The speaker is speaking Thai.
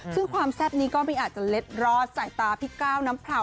ซึ่งความแซ่บนี้ก็ไม่อาจจะเล็ดรอดสายตาพี่ก้าวน้ำพราว